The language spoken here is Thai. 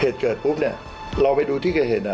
เหตุเกิดปุ๊บเนี่ยเราไปดูที่เกิดเหตุอ่ะ